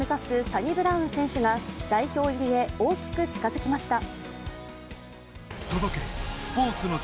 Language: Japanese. サニブラウン選手が代表入りへ大きく近づきました。